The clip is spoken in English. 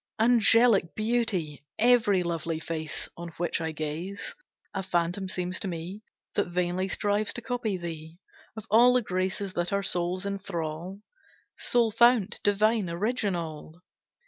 Angelic beauty! Every lovely face, On which I gaze, A phantom seems to me, That vainly strives to copy thee, Of all the graces that our souls inthral, Sole fount, divine original!